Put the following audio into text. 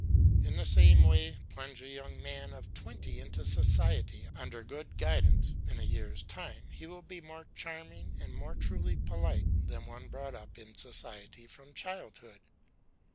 In the same way plunge a young man of twenty into society; under good guidance, in a year's time, he will be more charming and more truly polite than one brought up in society from childhood.